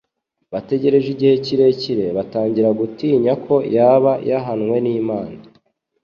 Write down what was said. Bategereje igihe kirekire, batangira gutinya ko yaba yahanwe n'Imana.